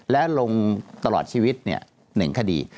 และลงตลอดชีวิต๑คดี